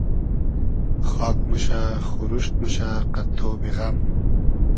خاگ موشۂ خوروشت موشۂ قئد تۉبی غئم